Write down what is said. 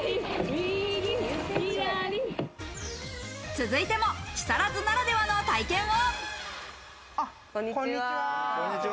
続いても木更津ならではの体験を。